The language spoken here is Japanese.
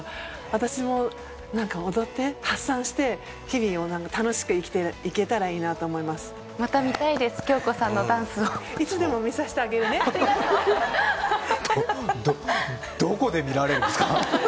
私も踊って発散して日々を楽しく生きていけたらいいなと思いますまた見たいです京子さんのダンスをいつでも見させてあげるねありがとうどどどこで見られるんですか？